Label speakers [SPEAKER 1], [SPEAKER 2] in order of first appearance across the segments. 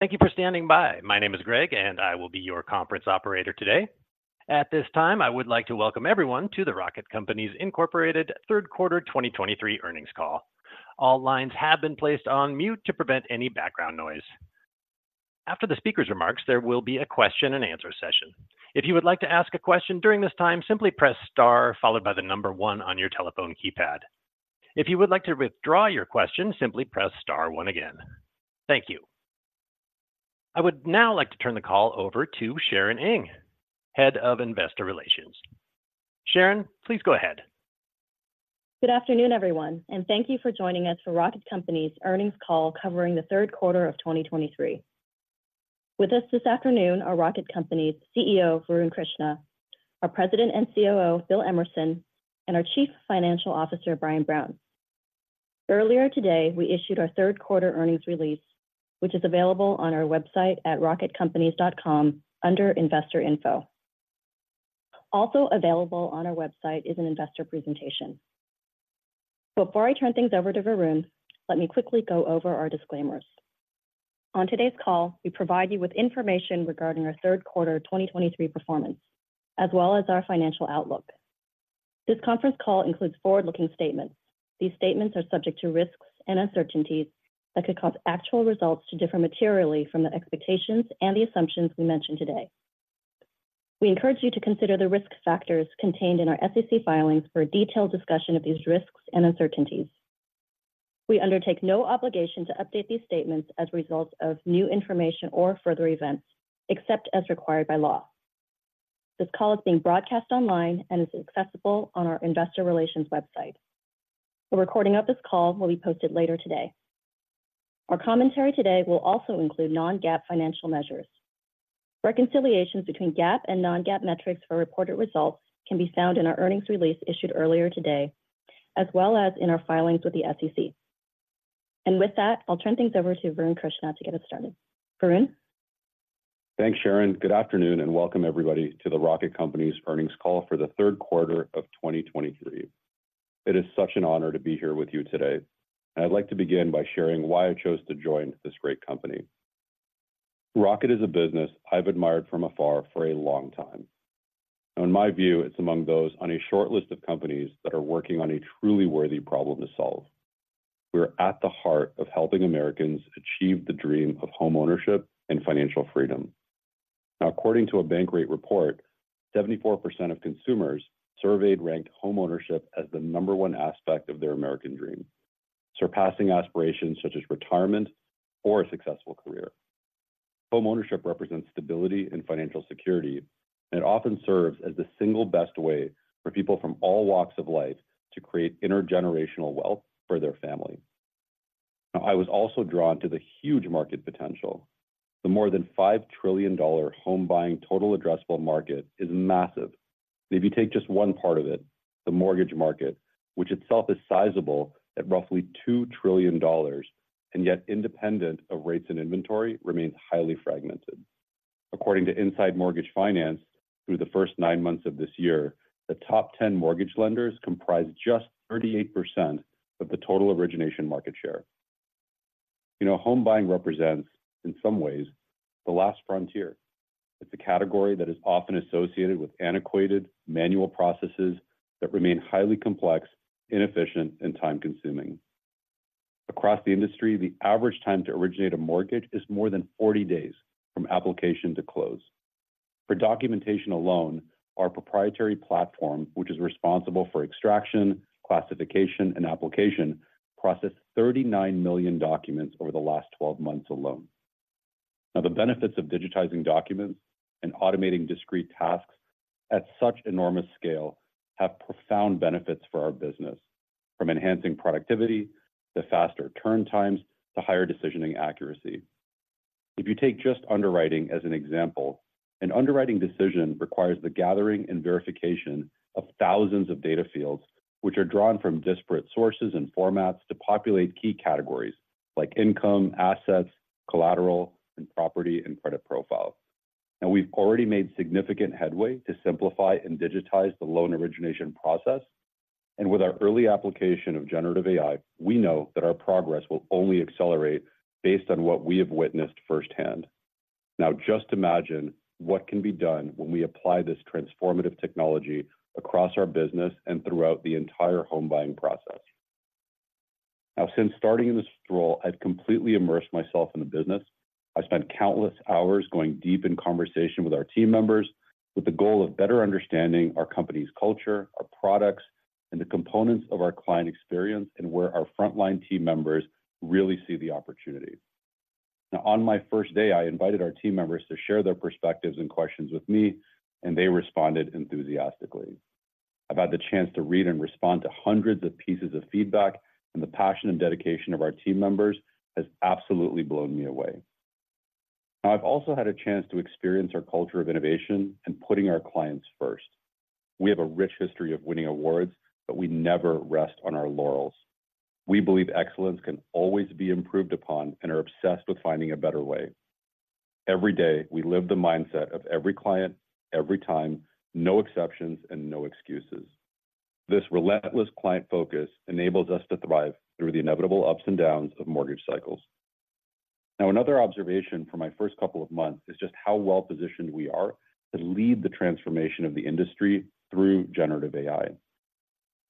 [SPEAKER 1] Thank you for standing by. My name is Greg, and I will be your conference operator today. At this time, I would like to welcome everyone to the Rocket Companies Incorporated Third Quarter 2023 Earnings Call. All lines have been placed on mute to prevent any background noise. After the speaker's remarks, there will be a question-and-answer session. If you would like to ask a question during this time, simply press star followed by the number one on your telephone keypad. If you would like to withdraw your question, simply press star one again. Thank you. I would now like to turn the call over to Sharon Ng, Head of Investor Relations. Sharon, please go ahead.
[SPEAKER 2] Good afternoon, everyone, and thank you for joining us for Rocket Companies' Earnings Call covering the third quarter of 2023. With us this afternoon are Rocket Companies CEO, Varun Krishna, our President and COO, Bill Emerson, and our Chief Financial Officer, Brian Brown. Earlier today, we issued our third quarter earnings release, which is available on our website at rocketcompanies.com under Investor Info. Also available on our website is an investor presentation. Before I turn things over to Varun, let me quickly go over our disclaimers. On today's call, we provide you with information regarding our third quarter 2023 performance, as well as our financial outlook. This conference call includes forward-looking statements. These statements are subject to risks and uncertainties that could cause actual results to differ materially from the expectations and the assumptions we mention today. We encourage you to consider the risk factors contained in our SEC filings for a detailed discussion of these risks and uncertainties. We undertake no obligation to update these statements as a result of new information or further events, except as required by law. This call is being broadcast online and is accessible on our investor relations website. A recording of this call will be posted later today. Our commentary today will also include non-GAAP financial measures. Reconciliations between GAAP and non-GAAP metrics for reported results can be found in our earnings release issued earlier today, as well as in our filings with the SEC. With that, I'll turn things over to Varun Krishna to get us started. Varun?
[SPEAKER 3] Thanks, Sharon. Good afternoon, and welcome everybody to the Rocket Companies' earnings call for the third quarter of 2023. It is such an honor to be here with you today, and I'd like to begin by sharing why I chose to join this great company. Rocket is a business I've admired from afar for a long time. Now, in my view, it's among those on a short list of companies that are working on a truly worthy problem to solve. We're at the heart of helping Americans achieve the dream of homeownership and financial freedom. Now, according to a Bankrate report, 74% of consumers surveyed ranked homeownership as the number one aspect of their American dream, surpassing aspirations such as retirement or a successful career. Homeownership represents stability and financial security, and it often serves as the single best way for people from all walks of life to create intergenerational wealth for their family. Now, I was also drawn to the huge market potential. The more than $5 trillion home buying total addressable market is massive. If you take just one part of it, the mortgage market, which itself is sizable at roughly $2 trillion, and yet independent of rates and inventory, remains highly fragmented. According to Inside Mortgage Finance, through the first nine months of this year, the top 10 mortgage lenders comprised just 38% of the total origination market share. You know, home buying represents, in some ways, the last frontier. It's a category that is often associated with antiquated manual processes that remain highly complex, inefficient, and time-consuming. Across the industry, the average time to originate a mortgage is more than 40 days from application to close. For documentation alone, our proprietary platform, which is responsible for extraction, classification, and application, processed 39 million documents over the last 12 months alone. Now, the benefits of digitizing documents and automating discrete tasks at such enormous scale have profound benefits for our business, from enhancing productivity to faster turn times to higher decisioning accuracy. If you take just underwriting as an example, an underwriting decision requires the gathering and verification of thousands of data fields, which are drawn from disparate sources and formats to populate key categories like income, assets, collateral, and property and credit profile. Now, we've already made significant headway to simplify and digitize the loan origination process, and with our early application of generative AI, we know that our progress will only accelerate based on what we have witnessed firsthand. Now, just imagine what can be done when we apply this transformative technology across our business and throughout the entire home buying process. Now, since starting in this role, I've completely immersed myself in the business. I spent countless hours going deep in conversation with our team members with the goal of better understanding our company's culture, our products, and the components of our client experience and where our frontline team members really see the opportunity. Now, on my first day, I invited our team members to share their perspectives and questions with me, and they responded enthusiastically. I've had the chance to read and respond to hundreds of pieces of feedback, and the passion and dedication of our team members has absolutely blown me away. Now, I've also had a chance to experience our culture of innovation and putting our clients first. We have a rich history of winning awards, but we never rest on our laurels. We believe excellence can always be improved upon and are obsessed with finding a better way. Every day, we live the mindset of every client, every time, no exceptions and no excuses. This relentless client focus enables us to thrive through the inevitable ups and downs of mortgage cycles. Now, another observation from my first couple of months is just how well-positioned we are to lead the transformation of the industry through generative AI.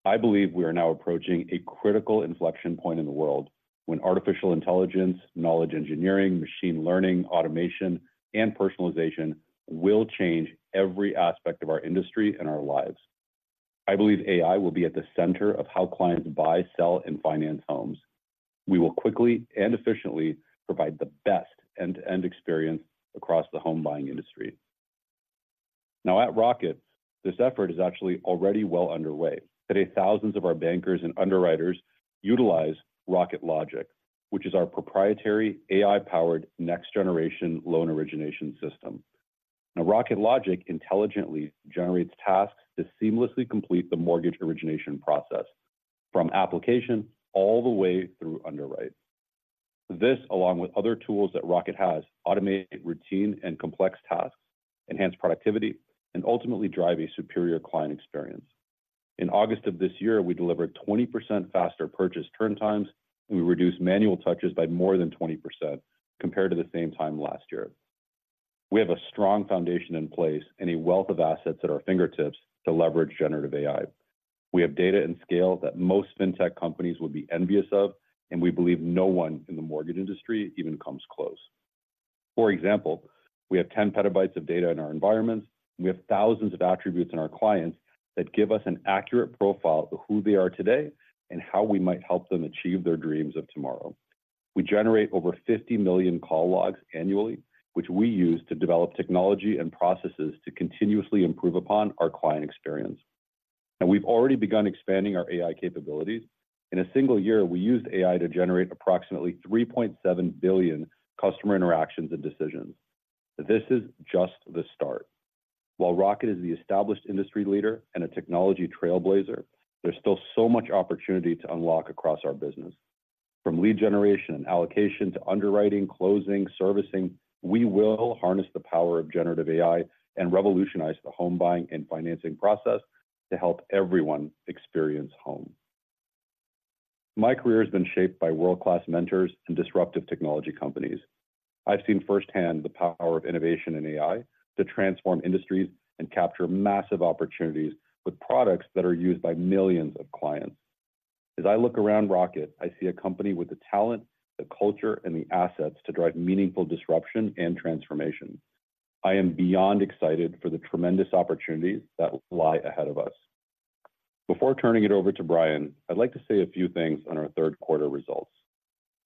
[SPEAKER 3] I believe we are now approaching a critical inflection point in the world when artificial intelligence, knowledge engineering, machine learning, automation, and personalization will change every aspect of our industry and our lives. I believe AI will be at the center of how clients buy, sell, and finance homes. We will quickly and efficiently provide the best end-to-end experience across the home buying industry. Now, at Rocket, this effort is actually already well underway. Today, thousands of our bankers and underwriters utilize Rocket Logic, which is our proprietary AI-powered next-generation loan origination system. Now, Rocket Logic intelligently generates tasks to seamlessly complete the mortgage origination process, from application all the way through underwrite. This, along with other tools that Rocket has, automate routine and complex tasks, enhance productivity, and ultimately drive a superior client experience. In August of this year, we delivered 20% faster purchase turn times, and we reduced manual touches by more than 20% compared to the same time last year. We have a strong foundation in place and a wealth of assets at our fingertips to leverage generative AI. We have data and scale that most fintech companies would be envious of, and we believe no one in the mortgage industry even comes close. For example, we have 10 PB of data in our environments. We have thousands of attributes in our clients that give us an accurate profile of who they are today and how we might help them achieve their dreams of tomorrow. We generate over 50 million call logs annually, which we use to develop technology and processes to continuously improve upon our client experience. We've already begun expanding our AI capabilities. In a single year, we used AI to generate approximately 3.7 billion customer interactions and decisions. This is just the start. While Rocket is the established industry leader and a technology trailblazer, there's still so much opportunity to unlock across our business. From lead generation and allocation to underwriting, closing, servicing, we will harness the power of generative AI and revolutionize the home buying and financing process to help everyone experience home. My career has been shaped by world-class mentors and disruptive technology companies. I've seen firsthand the power of innovation in AI to transform industries and capture massive opportunities with products that are used by millions of clients. As I look around Rocket, I see a company with the talent, the culture, and the assets to drive meaningful disruption and transformation. I am beyond excited for the tremendous opportunities that lie ahead of us. Before turning it over to Brian, I'd like to say a few things on our third quarter results.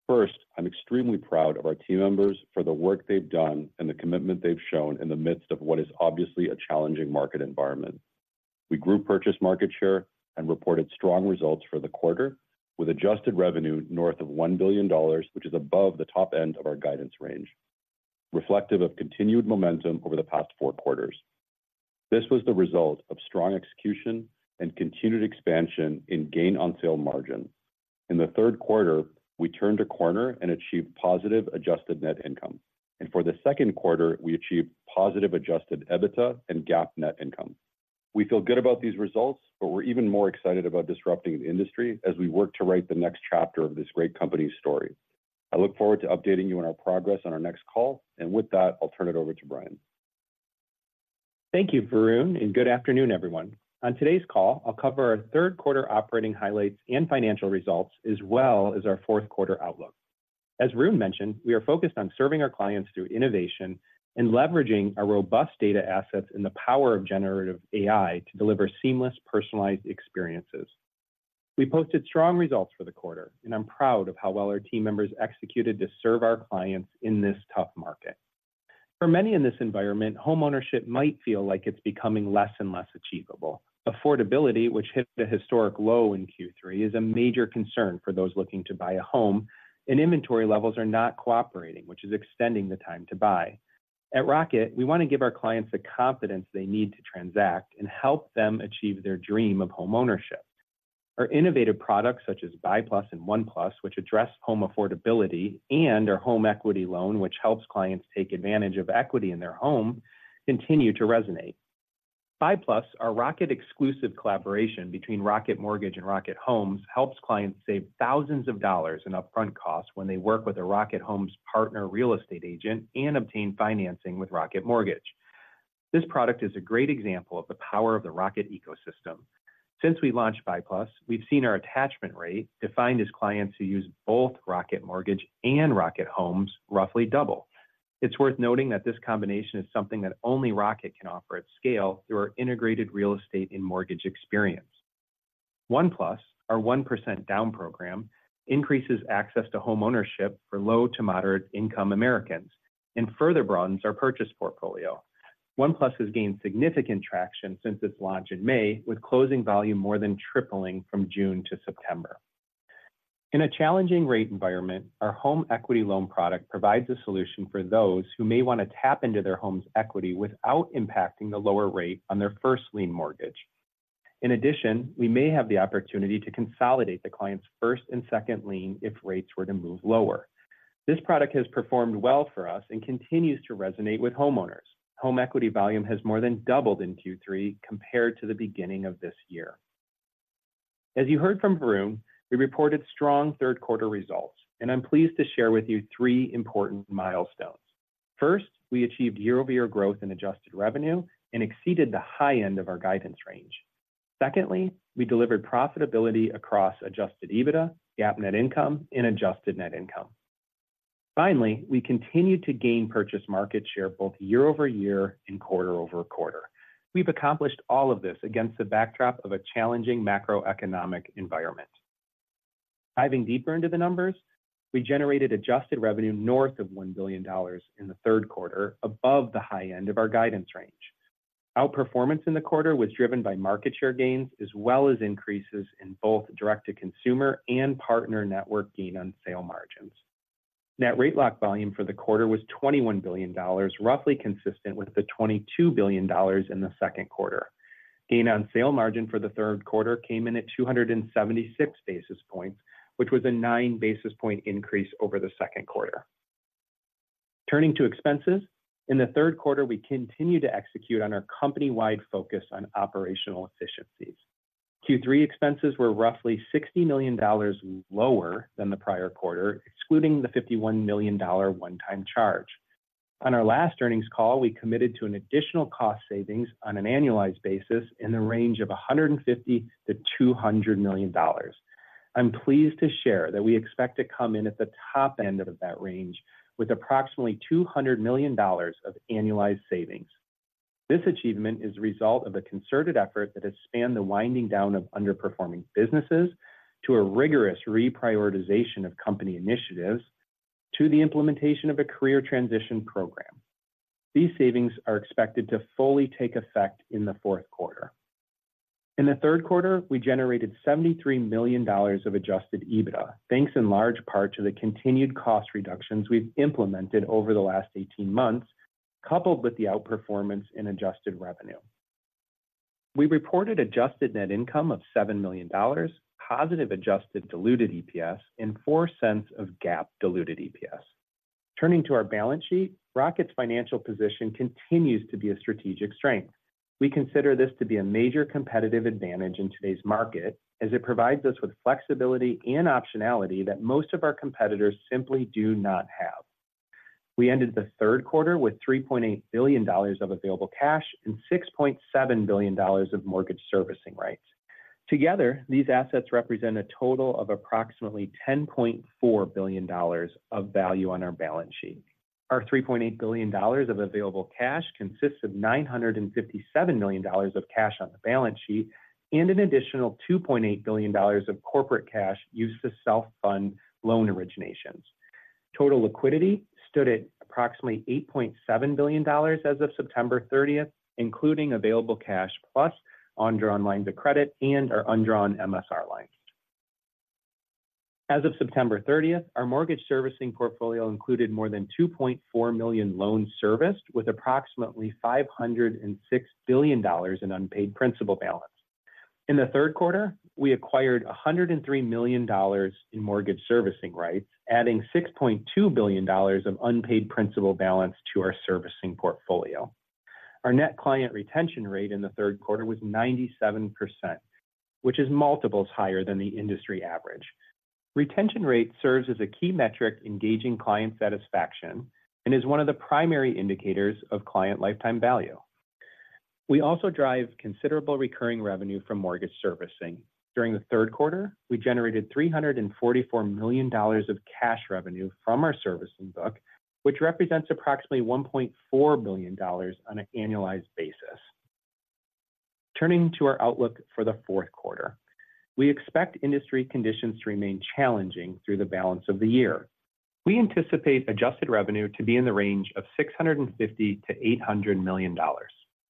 [SPEAKER 3] First, I'm extremely proud of our team members for the work they've done and the commitment they've shown in the midst of what is obviously a challenging market environment. We grew purchase market share and reported strong results for the quarter, with adjusted revenue north of $1 billion, which is above the top end of our guidance range, reflective of continued momentum over the past four quarters. This was the result of strong execution and continued expansion in Gain on Sale Margin. In the third quarter, we turned a corner and achieved positive adjusted net income. And for the second quarter, we achieved positive adjusted EBITDA and GAAP net income. We feel good about these results, but we're even more excited about disrupting the industry as we work to write the next chapter of this great company's story. I look forward to updating you on our progress on our next call, and with that, I'll turn it over to Brian.
[SPEAKER 4] Thank you, Varun, and good afternoon, everyone. On today's call, I'll cover our third quarter operating highlights and financial results, as well as our fourth quarter outlook. As Varun mentioned, we are focused on serving our clients through innovation and leveraging our robust data assets and the power of generative AI to deliver seamless, personalized experiences. We posted strong results for the quarter, and I'm proud of how well our team members executed to serve our clients in this tough market. For many in this environment, homeownership might feel like it's becoming less and less achievable. Affordability, which hit a historic low in Q3, is a major concern for those looking to buy a home, and inventory levels are not cooperating, which is extending the time to buy. At Rocket, we want to give our clients the confidence they need to transact and help them achieve their dream of homeownership. Our innovative products, such as BUY+ and ONE+, which address home affordability, and our home equity loan, which helps clients take advantage of equity in their home, continue to resonate. BUY+, our Rocket exclusive collaboration between Rocket Mortgage and Rocket Homes, helps clients save thousands of dollars in upfront costs when they work with a Rocket Homes partner real estate agent and obtain financing with Rocket Mortgage. This product is a great example of the power of the Rocket ecosystem. Since we launched BUY+, we've seen our attachment rate, defined as clients who use both Rocket Mortgage and Rocket Homes, roughly double. It's worth noting that this combination is something that only Rocket can offer at scale through our integrated real estate and mortgage experience. ONE+, our 1% down program, increases access to homeownership for low to moderate-income Americans and further broadens our purchase portfolio. ONE+ has gained significant traction since its launch in May, with closing volume more than tripling from June to September. In a challenging rate environment, our home equity loan product provides a solution for those who may want to tap into their home's equity without impacting the lower rate on their first lien mortgage. In addition, we may have the opportunity to consolidate the client's first and second lien if rates were to move lower. This product has performed well for us and continues to resonate with homeowners. Home equity volume has more than doubled in Q3 compared to the beginning of this year. As you heard from Varun, we reported strong third quarter results, and I'm pleased to share with you three important milestones. First, we achieved year-over-year growth in adjusted revenue and exceeded the high end of our guidance range. Secondly, we delivered profitability across adjusted EBITDA, GAAP net income, and adjusted net income. Finally, we continued to gain purchase market share both year-over-year and quarter-over-quarter. We've accomplished all of this against the backdrop of a challenging macroeconomic environment. Diving deeper into the numbers, we generated adjusted revenue north of $1 billion in the third quarter, above the high end of our guidance range. Outperformance in the quarter was driven by market share gains, as well as increases in both direct-to-consumer and partner network gain on sale margins. Net rate lock volume for the quarter was $21 billion, roughly consistent with the $22 billion in the second quarter. Gain on Sale Margin for the third quarter came in at 276 basis points, which was a 9 basis point increase over the second quarter. Turning to expenses, in the third quarter, we continued to execute on our company-wide focus on operational efficiencies. Q3 expenses were roughly $60 million lower than the prior quarter, excluding the $51 million one-time charge. On our last earnings call, we committed to an additional cost savings on an annualized basis in the range of $150 million-$200 million. I'm pleased to share that we expect to come in at the top end of that range with approximately $200 million of annualized savings. This achievement is a result of a concerted effort that has spanned the winding down of underperforming businesses to a rigorous reprioritization of company initiatives, to the implementation of a career transition program. These savings are expected to fully take effect in the fourth quarter. In the third quarter, we generated $73 million of adjusted EBITDA, thanks in large part to the continued cost reductions we've implemented over the last 18 months, coupled with the outperformance in adjusted revenue. We reported adjusted net income of $7 million, positive adjusted diluted EPS, and $0.04 of GAAP diluted EPS. Turning to our balance sheet, Rocket's financial position continues to be a strategic strength. We consider this to be a major competitive advantage in today's market as it provides us with flexibility and optionality that most of our competitors simply do not have. We ended the third quarter with $3.8 billion of available cash and $6.7 billion of mortgage servicing rights. Together, these assets represent a total of approximately $10.4 billion of value on our balance sheet. Our $3.8 billion of available cash consists of $957 million of cash on the balance sheet and an additional $2.8 billion of corporate cash used to self-fund loan originations. Total liquidity stood at approximately $8.7 billion as of September 30th, including available cash, plus undrawn lines of credit and our undrawn MSR lines. As of September 30th, our mortgage servicing portfolio included more than 2.4 million loans serviced, with approximately $506 billion in unpaid principal balance. In the third quarter, we acquired $103 million in mortgage servicing rights, adding $6.2 billion of unpaid principal balance to our servicing portfolio. Our net client retention rate in the third quarter was 97%, which is multiples higher than the industry average. Retention rate serves as a key metric engaging client satisfaction and is one of the primary indicators of client lifetime value. We also drive considerable recurring revenue from mortgage servicing. During the third quarter, we generated $344 million of cash revenue from our servicing book, which represents approximately $1.4 billion on an annualized basis. Turning to our outlook for the fourth quarter. We expect industry conditions to remain challenging through the balance of the year. We anticipate adjusted revenue to be in the range of $650 million-$800 million.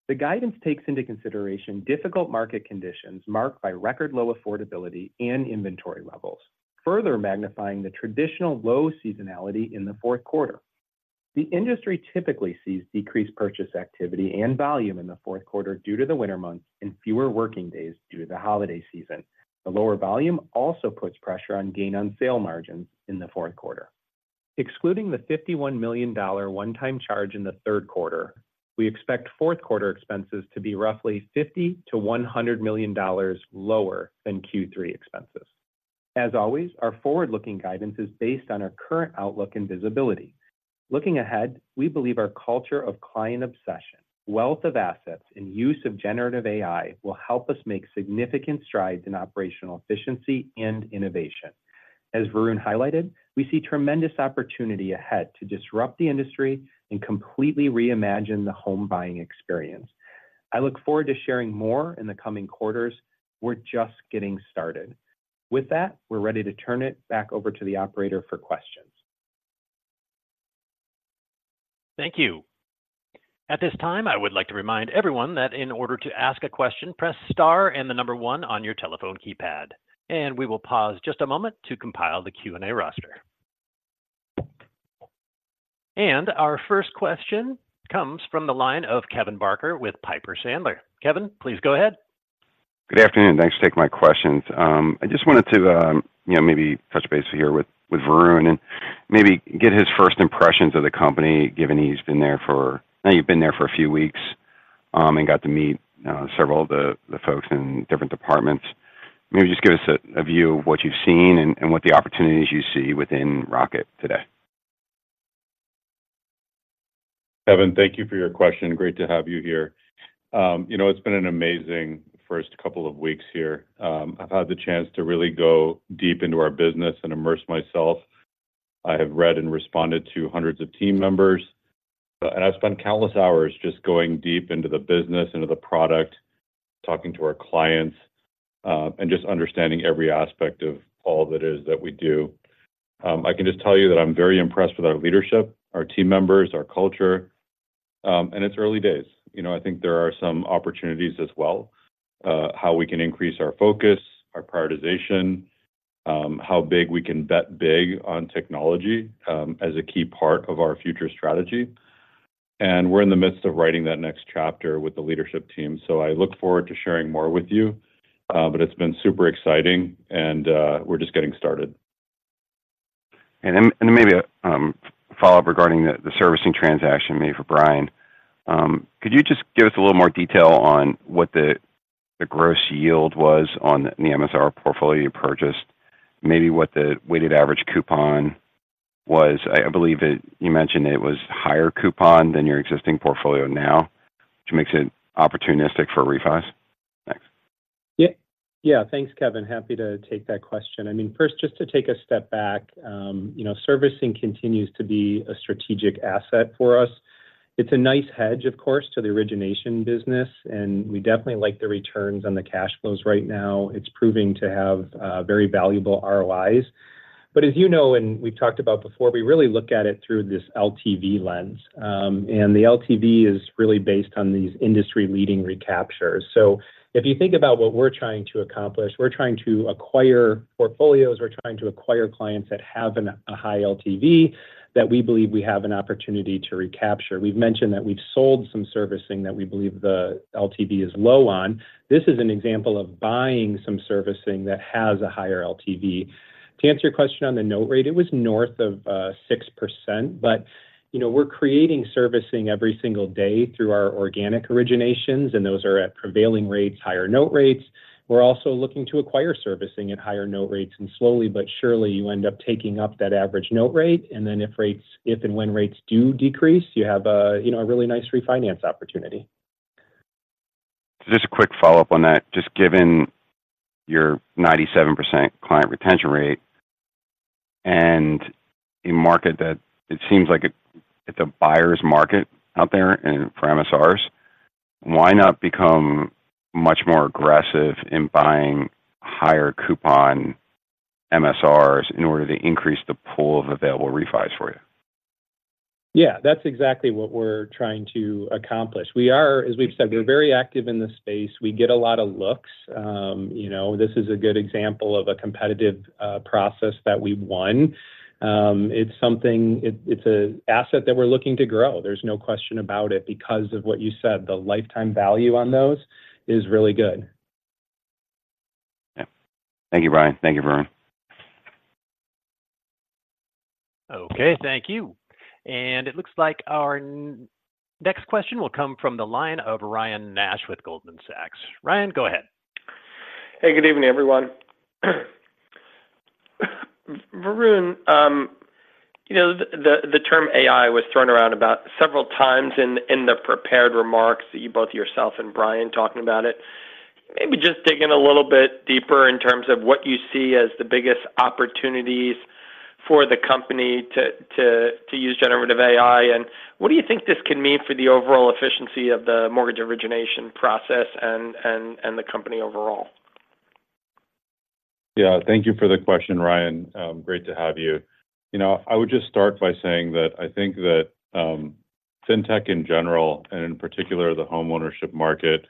[SPEAKER 4] The guidance takes into consideration difficult market conditions marked by record low affordability and inventory levels, further magnifying the traditional low seasonality in the fourth quarter. The industry typically sees decreased purchase activity and volume in the fourth quarter due to the winter months and fewer working days due to the holiday season. The lower volume also puts pressure on gain on sale margins in the fourth quarter. Excluding the $51 million one-time charge in the third quarter, we expect fourth quarter expenses to be roughly $50 million-$100 million lower than Q3 expenses. As always, our forward-looking guidance is based on our current outlook and visibility. Looking ahead, we believe our culture of client obsession, wealth of assets, and use of generative AI will help us make significant strides in operational efficiency and innovation. As Varun highlighted, we see tremendous opportunity ahead to disrupt the industry and completely reimagine the home buying experience. I look forward to sharing more in the coming quarters. We're just getting started. With that, we're ready to turn it back over to the operator for questions.
[SPEAKER 1] Thank you. At this time, I would like to remind everyone that in order to ask a question, press star and the number one on your telephone keypad. We will pause just a moment to compile the Q&A roster. Our first question comes from the line of Kevin Barker with Piper Sandler. Kevin, please go ahead.
[SPEAKER 5] Good afternoon. Thanks for taking my questions. I just wanted to, you know, maybe touch base here with Varun and maybe get his first impressions of the company, given he's been there for—I know you've been there for a few weeks, and got to meet several of the folks in different departments. Maybe just give us a view of what you've seen and what the opportunities you see within Rocket today.
[SPEAKER 3] Kevin, thank you for your question. Great to have you here. You know, it's been an amazing first couple of weeks here. I've had the chance to really go deep into our business and immerse myself. I have read and responded to hundreds of team members, and I've spent countless hours just going deep into the business, into the product, talking to our clients, and just understanding every aspect of all that it is that we do. I can just tell you that I'm very impressed with our leadership, our team members, our culture, and it's early days. You know, I think there are some opportunities as well, how we can increase our focus, our prioritization, how big we can bet big on technology, as a key part of our future strategy. We're in the midst of writing that next chapter with the leadership team. I look forward to sharing more with you, but it's been super exciting and, we're just getting started.
[SPEAKER 5] Then, maybe a follow-up regarding the servicing transaction made for Brian. Could you just give us a little more detail on what the gross yield was on the MSR portfolio you purchased? Maybe what the weighted average coupon was. I believe it, you mentioned it was higher coupon than your existing portfolio now, which makes it opportunistic for refis. Thanks.
[SPEAKER 4] Yeah. Yeah, thanks, Kevin. Happy to take that question. I mean, first, just to take a step back, you know, servicing continues to be a strategic asset for us. It's a nice hedge, of course, to the origination business, and we definitely like the returns on the cash flows right now. It's proving to have very valuable ROIs. But as you know, and we've talked about before, we really look at it through this LTV lens, and the LTV is really based on these industry-leading recaptures. So if you think about what we're trying to accomplish, we're trying to acquire portfolios. We're trying to acquire clients that have an, a high LTV that we believe we have an opportunity to recapture. We've mentioned that we've sold some servicing that we believe the LTV is low on. This is an example of buying some servicing that has a higher LTV. To answer your question on the note rate, it was north of 6%, but, you know, we're creating servicing every single day through our organic originations, and those are at prevailing rates, higher note rates. We're also looking to acquire servicing at higher note rates, and slowly but surely, you end up taking up that average note rate, and then if rates- if and when rates do decrease, you have a, you know, a really nice refinance opportunity.
[SPEAKER 5] Just a quick follow-up on that. Just given your 97% client retention rate and a market that it seems like it, it's a buyer's market out there and for MSRs, why not become much more aggressive in buying higher coupon MSRs in order to increase the pool of available refis for you?
[SPEAKER 4] Yeah, that's exactly what we're trying to accomplish. We are, as we've said, we're very active in this space. We get a lot of looks. You know, this is a good example of a competitive process that we won. It's something—it's an asset that we're looking to grow. There's no question about it, because of what you said, the lifetime value on those is really good.
[SPEAKER 5] Yeah. Thank you, Brian. Thank you, Varun.
[SPEAKER 1] Okay, thank you. And it looks like our next question will come from the line of Ryan Nash with Goldman Sachs. Ryan, go ahead.
[SPEAKER 6] Hey, good evening, everyone. Varun, you know, the term AI was thrown around about several times in the prepared remarks that you both yourself and Brian talking about it. Maybe just dig in a little bit deeper in terms of what you see as the biggest opportunities for the company to use generative AI, and what do you think this could mean for the overall efficiency of the mortgage origination process and the company overall?
[SPEAKER 3] Yeah, thank you for the question, Ryan. Great to have you. You know, I would just start by saying that I think that, Fintech in general, and in particular, the homeownership market,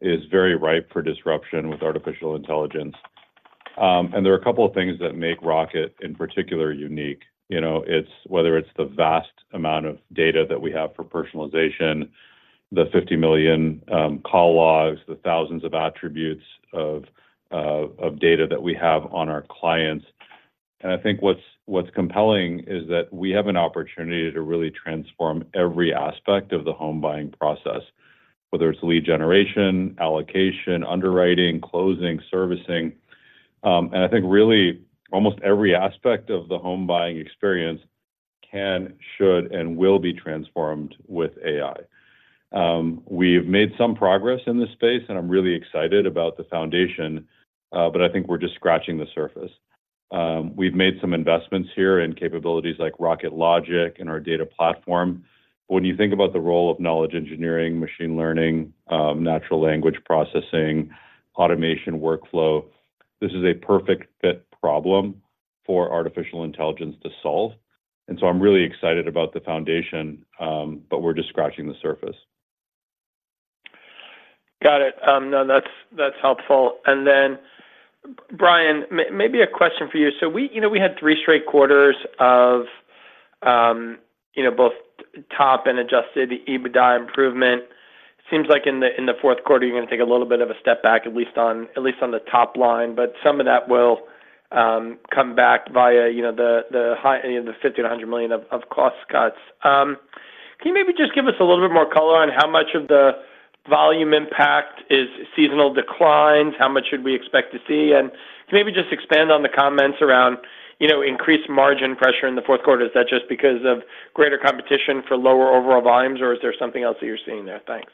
[SPEAKER 3] is very ripe for disruption with artificial intelligence. And there are a couple of things that make Rocket, in particular, unique. You know, it's whether it's the vast amount of data that we have for personalization, the 50 million call logs, the thousands of attributes of data that we have on our clients. And I think what's compelling is that we have an opportunity to really transform every aspect of the home buying process, whether it's lead generation, allocation, underwriting, closing, servicing. And I think really, almost every aspect of the home buying experience can, should, and will be transformed with AI. We've made some progress in this space, and I'm really excited about the foundation, but I think we're just scratching the surface. We've made some investments here in capabilities like Rocket Logic and our data platform. But when you think about the role of knowledge engineering, machine learning, natural language processing, automation workflow, this is a perfect fit problem for artificial intelligence to solve. And so I'm really excited about the foundation, but we're just scratching the surface.
[SPEAKER 6] Got it. No, that's, that's helpful. And then, Brian, maybe a question for you. So we, you know, we had three straight quarters of, you know, both top and adjusted EBITDA improvement. Seems like in the, in the fourth quarter, you're going to take a little bit of a step back, at least on, at least on the top line, but some of that will, come back via, you know, the, the high, the $50 million-$100 million of, of cost cuts. Can you maybe just give us a little bit more color on how much of the volume impact is seasonal declines? How much should we expect to see? And can you maybe just expand on the comments around, you know, increased margin pressure in the fourth quarter. Is that just because of greater competition for lower overall volumes, or is there something else that you're seeing there? Thanks.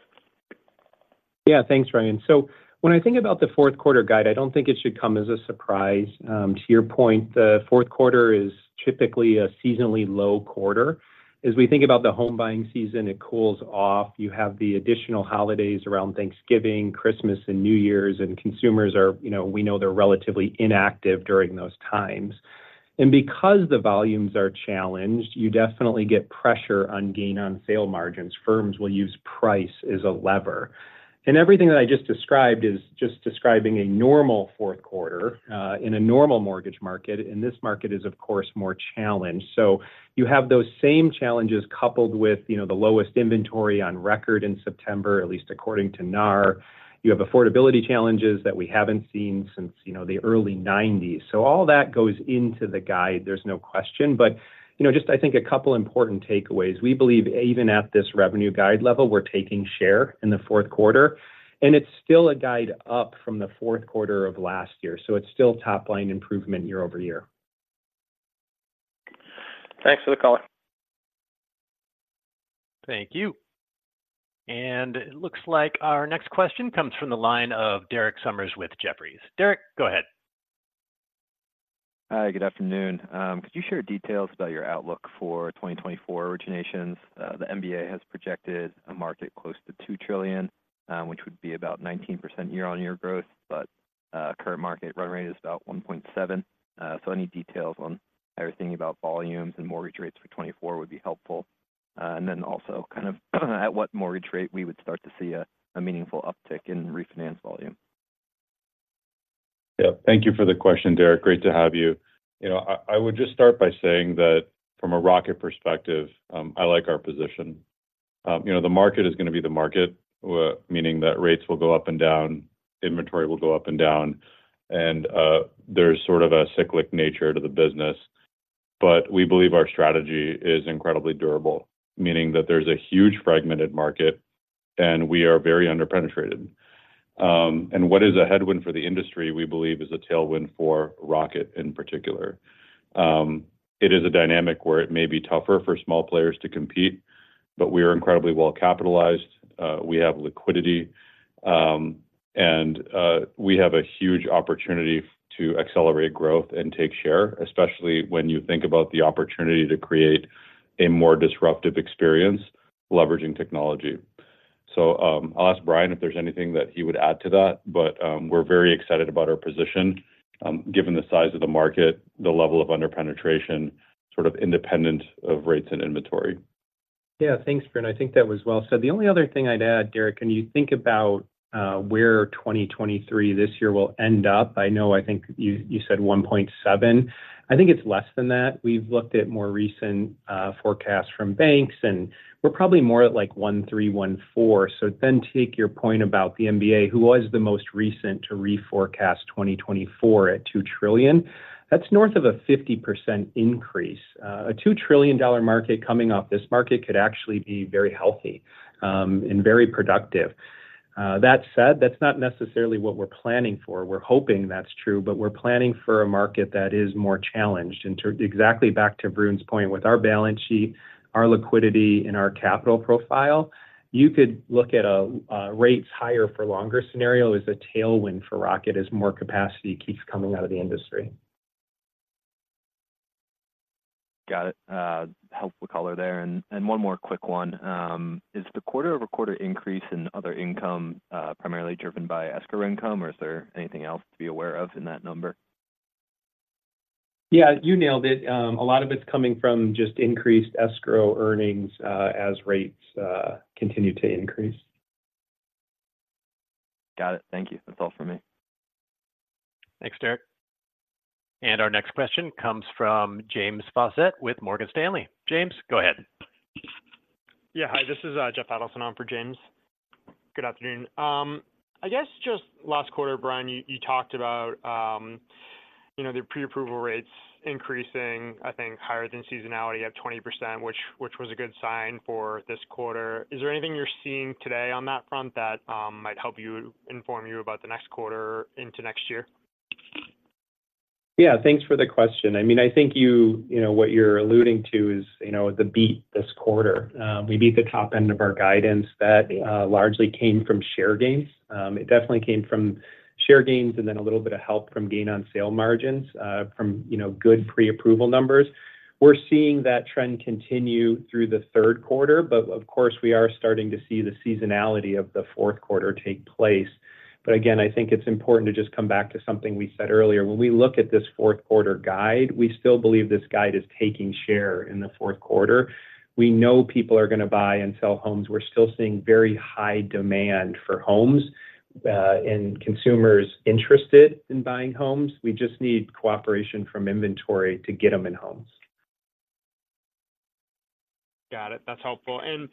[SPEAKER 4] Yeah. Thanks, Ryan. So when I think about the fourth quarter guide, I don't think it should come as a surprise. To your point, the fourth quarter is typically a seasonally low quarter. As we think about the home buying season, it cools off. You have the additional holidays around Thanksgiving, Christmas, and New Year's, and consumers are, you know, we know they're relatively inactive during those times. And because the volumes are challenged, you definitely get pressure on gain on sale margins. Firms will use price as a lever. And everything that I just described is just describing a normal fourth quarter in a normal mortgage market, and this market is, of course, more challenged. So you have those same challenges coupled with, you know, the lowest inventory on record in September, at least according to NAR. You have affordability challenges that we haven't seen since, you know, the early nineties. So all that goes into the guide, there's no question. But, you know, just I think a couple important takeaways. We believe even at this revenue guide level, we're taking share in the fourth quarter, and it's still a guide up from the fourth quarter of last year, so it's still top-line improvement year-over-year.
[SPEAKER 6] Thanks for the color.
[SPEAKER 1] Thank you. It looks like our next question comes from the line of Derek Sommers with Jefferies. Derek, go ahead.
[SPEAKER 7] Hi, good afternoon. Could you share details about your outlook for 2024 originations? The MBA has projected a market close to $2 trillion, which would be about 19% year-on-year growth, but current market run rate is about $1.7 trillion. So any details on how you're thinking about volumes and mortgage rates for 2024 would be helpful. And then also kind of at what mortgage rate we would start to see a meaningful uptick in refinance volume.
[SPEAKER 3] Yeah. Thank you for the question, Derek. Great to have you. You know, I would just start by saying that from a Rocket perspective, I like our position. You know, the market is going to be the market, meaning that rates will go up and down, inventory will go up and down, and there's sort of a cyclic nature to the business. But we believe our strategy is incredibly durable, meaning that there's a huge fragmented market and we are very underpenetrated. And what is a headwind for the industry, we believe is a tailwind for Rocket in particular. It is a dynamic where it may be tougher for small players to compete, but we are incredibly well capitalized. We have liquidity, and we have a huge opportunity to accelerate growth and take share, especially when you think about the opportunity to create a more disruptive experience leveraging technology. So, I'll ask Brian if there's anything that he would add to that, but we're very excited about our position, given the size of the market, the level of underpenetration, sort of independent of rates and inventory.
[SPEAKER 4] Yeah, thanks, Varun. I think that was well said. The only other thing I'd add, Derek, when you think about where 2023, this year, will end up, I know, I think you said 1.7. I think it's less than that. We've looked at more recent forecasts from banks, and we're probably more at, like, 1.3, 1.4. So then take your point about the MBA, who was the most recent to reforecast 2024 at $2 trillion. That's north of a 50% increase. A $2 trillion market coming off this market could actually be very healthy and very productive. That said, that's not necessarily what we're planning for. We're hoping that's true, but we're planning for a market that is more challenged. And to exactly back to Varun's point, with our balance sheet, our liquidity, and our capital profile, you could look at a rates higher for longer scenario as a tailwind for Rocket as more capacity keeps coming out of the industry.
[SPEAKER 7] Got it. Helpful color there. And one more quick one. Is the quarter-over-quarter increase in other income primarily driven by escrow income, or is there anything else to be aware of in that number?
[SPEAKER 4] Yeah, you nailed it. A lot of it's coming from just increased escrow earnings, as rates continue to increase.
[SPEAKER 7] Got it. Thank you. That's all for me.
[SPEAKER 1] Thanks, Derek. Our next question comes from James Faucette with Morgan Stanley. James, go ahead.
[SPEAKER 8] Yeah. Hi, this is Jeff Patterson on for James. Good afternoon. I guess just last quarter, Brian, you, you talked about, you know, the pre-approval rates increasing, I think, higher than seasonality at 20%, which, which was a good sign for this quarter. Is there anything you're seeing today on that front that might help you inform you about the next quarter into next year?
[SPEAKER 4] Yeah, thanks for the question. I mean, I think you, you know, what you're alluding to is, you know, the beat this quarter. We beat the top end of our guidance that largely came from share gains. It definitely came from share gains and then a little bit of help from gain on sale margins from, you know, good pre-approval numbers. We're seeing that trend continue through the third quarter, but of course, we are starting to see the seasonality of the fourth quarter take place. But again, I think it's important to just come back to something we said earlier. When we look at this fourth quarter guide, we still believe this guide is taking share in the fourth quarter. We know people are gonna buy and sell homes. We're still seeing very high demand for homes and consumers interested in buying homes. We just need cooperation from inventory to get them in homes.
[SPEAKER 8] Got it. That's helpful. And,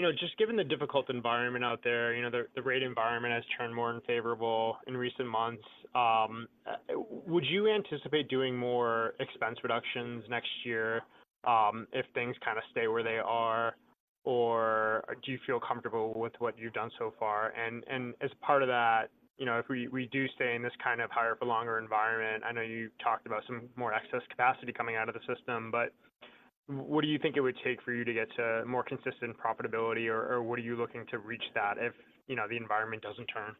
[SPEAKER 8] you know, just given the difficult environment out there, you know, the rate environment has turned more unfavorable in recent months. Would you anticipate doing more expense reductions next year, if things kind of stay where they are? Or do you feel comfortable with what you've done so far? And as part of that, you know, if we do stay in this kind of higher-for-longer environment, I know you talked about some more excess capacity coming out of the system, but what do you think it would take for you to get to more consistent profitability? Or what are you looking to reach that if, you know, the environment doesn't turn?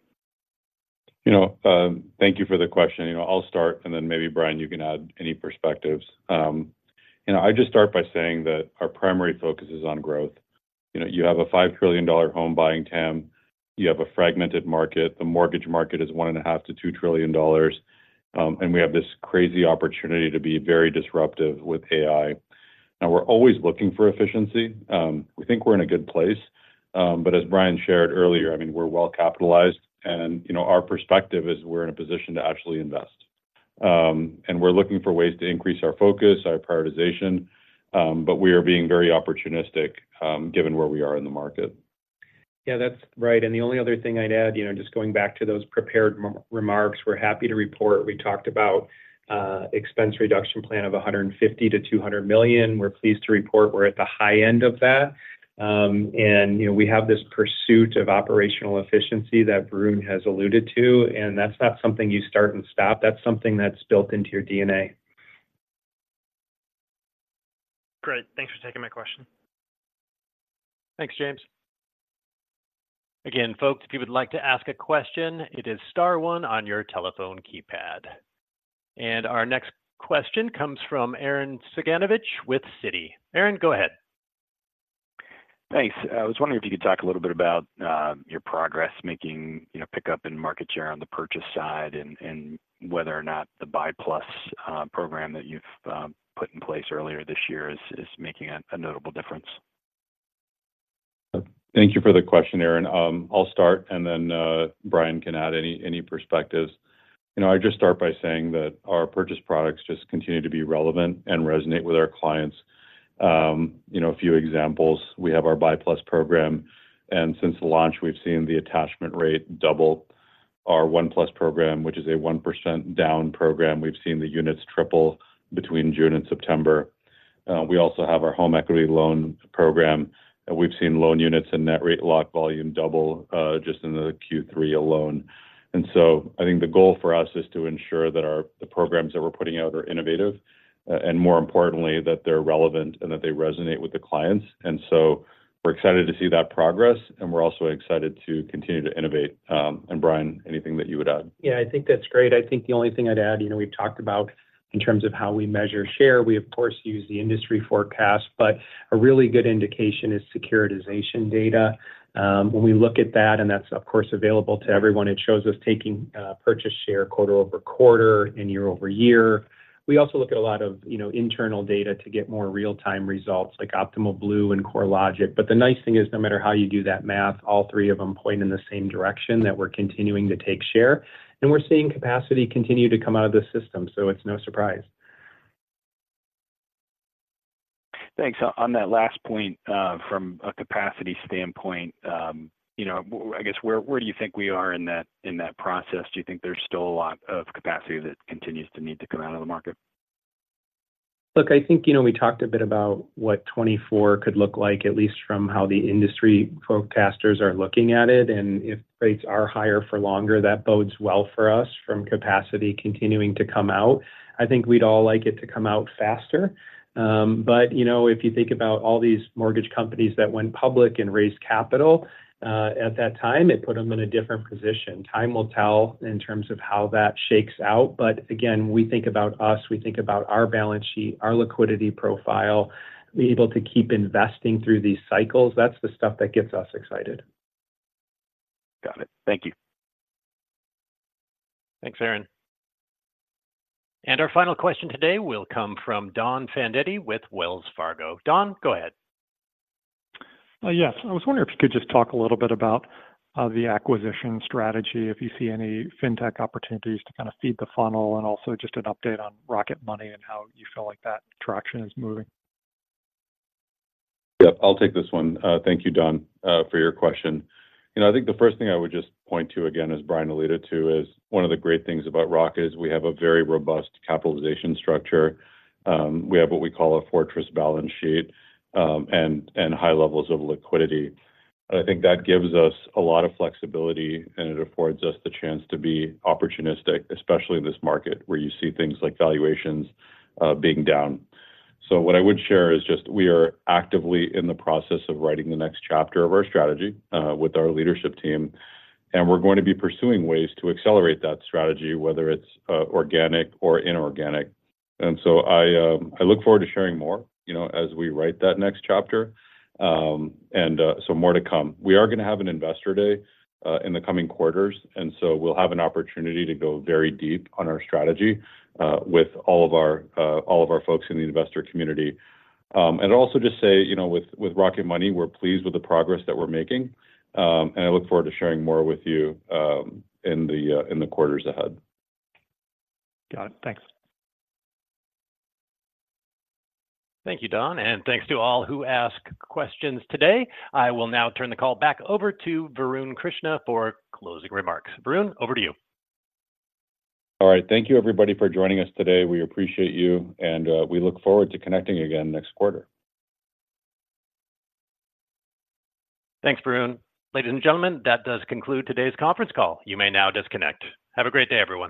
[SPEAKER 3] You know, thank you for the question. You know, I'll start, and then maybe, Brian, you can add any perspectives. You know, I'd just start by saying that our primary focus is on growth. You know, you have a $5 trillion home buying TAM, you have a fragmented market. The mortgage market is $1.5 trillion-$2 trillion, and we have this crazy opportunity to be very disruptive with AI. Now, we're always looking for efficiency. We think we're in a good place, but as Brian shared earlier, I mean, we're well capitalized, and, you know, our perspective is we're in a position to actually invest. And we're looking for ways to increase our focus, our prioritization, but we are being very opportunistic, given where we are in the market.
[SPEAKER 4] Yeah, that's right. And the only other thing I'd add, you know, just going back to those prepared remarks, we're happy to report we talked about expense reduction plan of $150 million-$200 million. We're pleased to report we're at the high end of that. And, you know, we have this pursuit of operational efficiency that Varun has alluded to, and that's not something you start and stop, that's something that's built into your DNA.
[SPEAKER 8] Great. Thanks for taking my question.
[SPEAKER 1] Thanks, James. Again, folks, if you would like to ask a question, it is star one on your telephone keypad. Our next question comes from Arren Cyganovich with Citi. Arren, go ahead.
[SPEAKER 9] Thanks. I was wondering if you could talk a little bit about your progress making, you know, pickup in market share on the purchase side, and whether or not the BUY+ program that you've put in place earlier this year is making a notable difference.
[SPEAKER 3] Thank you for the question, Arren. I'll start, and then Brian can add any, any perspectives. You know, I'd just start by saying that our purchase products just continue to be relevant and resonate with our clients. You know, a few examples. We have our BUY+ program, and since the launch, we've seen the attachment rate double. Our ONE+ program, which is a 1% down program, we've seen the units triple between June and September. We also have our home equity loan program, and we've seen loan units and net rate lock volume double, just in the Q3 alone. And so I think the goal for us is to ensure that our programs that we're putting out are innovative, and more importantly, that they're relevant and that they resonate with the clients. And so we're excited to see that progress, and we're also excited to continue to innovate. Brian, anything that you would add?
[SPEAKER 4] Yeah, I think that's great. I think the only thing I'd add, you know, we've talked about in terms of how we measure share, we, of course, use the industry forecast, but a really good indication is securitization data. When we look at that, and that's, of course, available to everyone, it shows us taking purchase share quarter-over-quarter and year-over-year. We also look at a lot of, you know, internal data to get more real-time results, like Optimal Blue and CoreLogic. But the nice thing is, no matter how you do that math, all three of them point in the same direction, that we're continuing to take share, and we're seeing capacity continue to come out of the system, so it's no surprise.
[SPEAKER 9] Thanks. On that last point, from a capacity standpoint, you know, I guess, where do you think we are in that process? Do you think there's still a lot of capacity that continues to need to come out of the market?
[SPEAKER 4] Look, I think, you know, we talked a bit about what 2024 could look like, at least from how the industry forecasters are looking at it, and if rates are higher for longer, that bodes well for us from capacity continuing to come out. I think we'd all like it to come out faster. But, you know, if you think about all these mortgage companies that went public and raised capital, at that time, it put them in a different position. Time will tell in terms of how that shakes out, but again, we think about us, we think about our balance sheet, our liquidity profile, be able to keep investing through these cycles. That's the stuff that gets us excited.
[SPEAKER 9] Got it. Thank you.
[SPEAKER 1] Thanks, Arren. Our final question today will come from Don Fandetti with Wells Fargo. Don, go ahead.
[SPEAKER 10] Yes. I was wondering if you could just talk a little bit about the acquisition strategy, if you see any fintech opportunities to kind of feed the funnel, and also just an update on Rocket Money and how you feel like that traction is moving?
[SPEAKER 3] Yep, I'll take this one. Thank you, Don, for your question. You know, I think the first thing I would just point to, again, as Brian alluded to, is one of the great things about Rocket is we have a very robust capitalization structure. We have what we call a fortress balance sheet, and high levels of liquidity. I think that gives us a lot of flexibility, and it affords us the chance to be opportunistic, especially in this market, where you see things like valuations being down. So what I would share is just we are actively in the process of writing the next chapter of our strategy with our leadership team, and we're going to be pursuing ways to accelerate that strategy, whether it's organic or inorganic. And so I look forward to sharing more, you know, as we write that next chapter. So more to come. We are gonna have an Investor Day in the coming quarters, and so we'll have an opportunity to go very deep on our strategy with all of our folks in the investor community. And also just say, you know, with Rocket Money, we're pleased with the progress that we're making, and I look forward to sharing more with you in the quarters ahead.
[SPEAKER 10] Got it. Thanks.
[SPEAKER 1] Thank you, Don, and thanks to all who asked questions today. I will now turn the call back over to Varun Krishna for closing remarks. Varun, over to you.
[SPEAKER 3] All right. Thank you, everybody, for joining us today. We appreciate you, and we look forward to connecting again next quarter.
[SPEAKER 1] Thanks, Varun. Ladies and gentlemen, that does conclude today's conference call. You may now disconnect. Have a great day, everyone.